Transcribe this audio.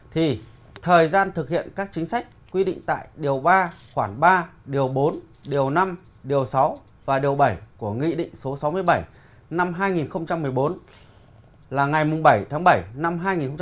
thì thời gian thực hiện các chính sách quy định tại điều ba khoảng ba điều bốn điều năm điều sáu và điều bảy của nghị định số sáu mươi bảy năm hai nghìn một mươi bốn là ngày bảy tháng bảy năm hai nghìn một mươi bảy